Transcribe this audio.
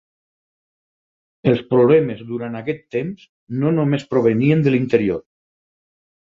Els problemes durant aquest temps no només provenien de l'interior.